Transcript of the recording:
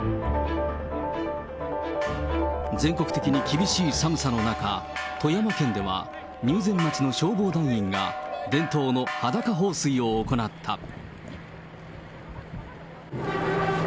全国的に厳しい寒さの中、富山県では、入善町の消防団員が、伝統の裸放水を行った。